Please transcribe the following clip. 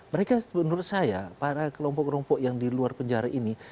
mereka menurut saya para kelompok kelompok yang di luar penjara ini